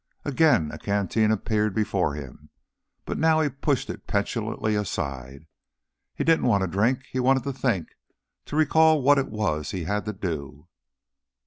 Again, a canteen appeared before him, but now he pushed it petulantly aside. He didn't want a drink; he wanted to think to recall what it was he had to do.